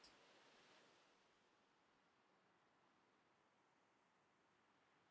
Todos los polígonos regulares tienen tantos ejes de simetría como lados.